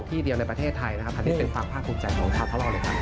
ที่เดียวในประเทศไทยนะครับอันนี้เป็นฝากภาคคุณใจของท่านเพราะเราเลยครับ